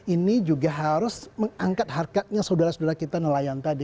ini juga harus mengangkat harkatnya saudara saudara kita nelayan tadi